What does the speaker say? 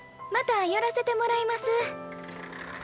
また寄らせてもらいます。